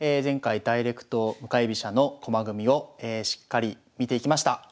前回ダイレクト向かい飛車の駒組みをしっかり見ていきました。